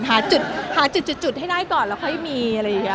หาจุดให้ได้ก่อนแล้วค่อยมี